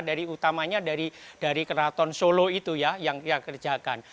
dari utamanya dari keraton solo itu yang dikerjakan